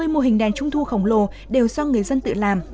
ba mươi mô hình đèn trung thu khổng lồ đều do người dân tự làm